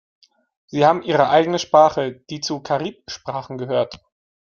Sie haben ihre eigene Sprache, die zu den Carib-Sprachen gehört.